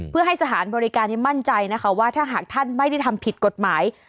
เพื่อให้สถานบริการนี้มั่นใจนะคะว่าถ้าหากท่านไม่ได้ทำผิดกฎหมาย